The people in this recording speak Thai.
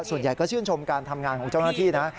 ส่วนใหญ่ก็ชื่นชมการทำงานของเจ้าหน้าที่นะ